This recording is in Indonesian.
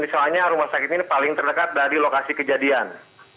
soalnya rumah sakit ini paling terdekat dari lokasi kejadian